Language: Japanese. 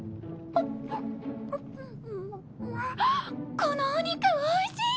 このお肉おいしい！